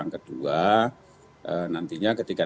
kedua nantinya ketika